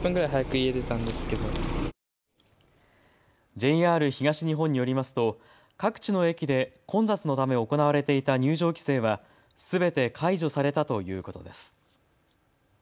ＪＲ東日本によりますと各地の駅で混雑のため行われていた入場規制はすべて解除されたということです。